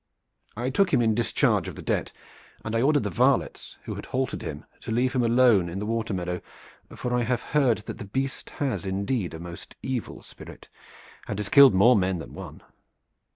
I took him in discharge of the debt, and I ordered the varlets who had haltered him to leave him alone in the water meadow, for I have heard that the beast has indeed a most evil spirit, and has killed more men than one."